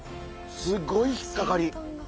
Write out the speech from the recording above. すごい引っかかり。